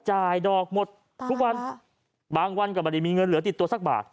จ่ายดอกหมดทุกวันบางวันก็ไม่ได้มีเงินเหลือติดตัวสักบาท